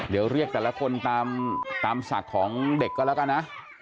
เดี๋ยวเรียกแต่ละคนตามศักดิ์ของเด็กก็แล้วกันนะ